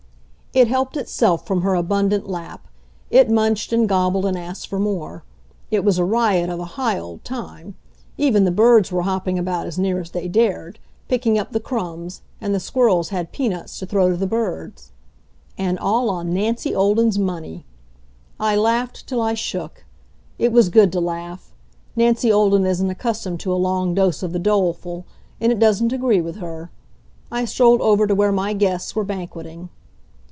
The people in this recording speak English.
It helped itself from her abundant lap; it munched and gobbled and asked for more. It was a riot of a high old time. Even the birds were hopping about as near as they dared, picking up the crumbs, and the squirrels had peanuts to throw to the birds. And all on Nancy Olden's money! I laughed till I shook. It was good to laugh. Nancy Olden isn't accustomed to a long dose of the doleful, and it doesn't agree with her. I strolled over to where my guests were banqueting.